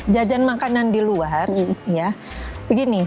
jajan makanan di luar ya begini